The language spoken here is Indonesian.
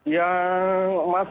ya terima kasih